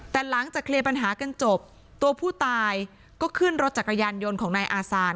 แต่หลังจากเคลียร์ปัญหากันจบตัวผู้ตายก็ขึ้นรถจักรยานยนต์ของนายอาซาน